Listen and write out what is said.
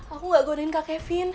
aku gak godain kak kevin